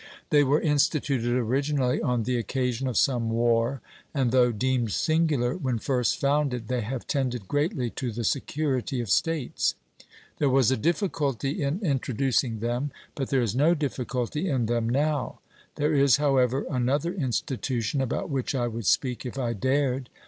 They were instituted originally on the occasion of some war, and, though deemed singular when first founded, they have tended greatly to the security of states. There was a difficulty in introducing them, but there is no difficulty in them now. There is, however, another institution about which I would speak, if I dared.